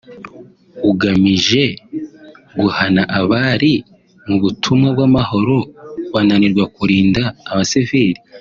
ugamije guhana abari mu butumwa bw’amahoro bananirwa kurinda abasivili